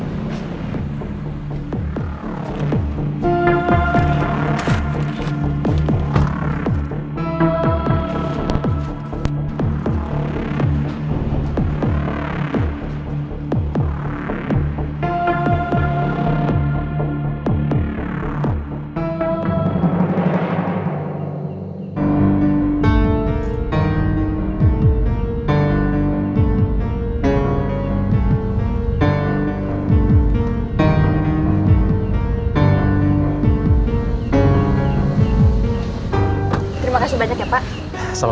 terima kasih banyak ya pak